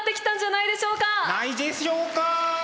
ないでしょうか？